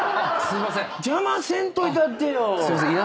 すいません。